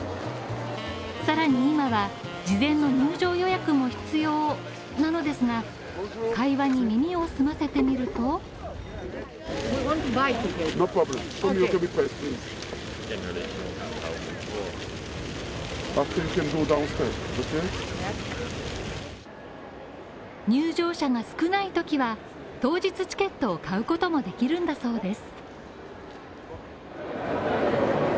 さらに今は事前の入場予約も必要なのですが、会話に耳を澄ませてみると入場者が少ないときは、当日チケットを買うこともできるんだそうです。